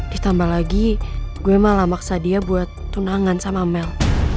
ditambah lagi gue malah maksa dia buat tunangan sama mel